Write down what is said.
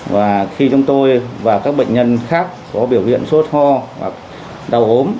và khi chúng tôi và các bệnh nhân khác có biểu hiện sốt ho hoặc đau hốm